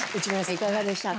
いかがでしたか？